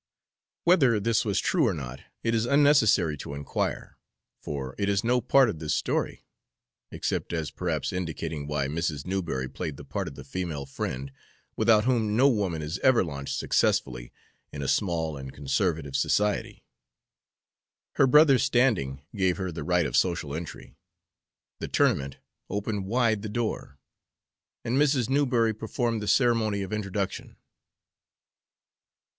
Whether this was true or not it is unnecessary to inquire, for it is no part of this story, except as perhaps indicating why Mrs. Newberry played the part of the female friend, without whom no woman is ever launched successfully in a small and conservative society. Her brother's standing gave her the right of social entry; the tournament opened wide the door, and Mrs. Newberry performed the ceremony of introduction.